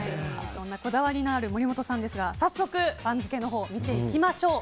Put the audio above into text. こだわりのある森本さんですが早速、番付のほう見ていきましょう。